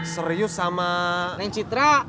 serius sama yang citra